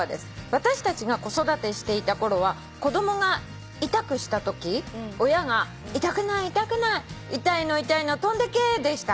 「私たちが子育てしていた頃は子供が痛くしたとき親が『痛くない痛くない痛いの痛いの飛んでけー』でした」